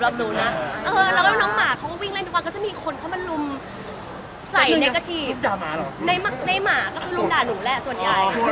แล้วน้องหมามันก็วิ่งเค้าวิ่งแล้วมีคนเข้ามาลุมใส่แนตรีทในหมาก็คือลุมด่าหนูล่ะส่วนใหญ่